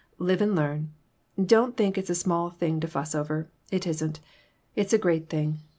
Live and learn. Don't think it's a small thing to fuss over. It isn't. It's a great thing.